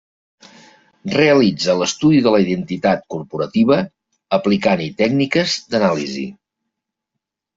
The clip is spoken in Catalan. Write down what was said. Realitza l'estudi de la identitat corporativa aplicant-hi tècniques d'anàlisi.